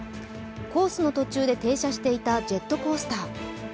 コースの途中で停車していたジェットコースター。